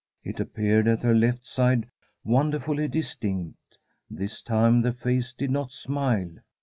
It appeared at her left side wonderfully distinct. This time the face did not smile.